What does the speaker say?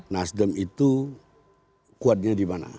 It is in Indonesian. nasdem itu kuatnya di mana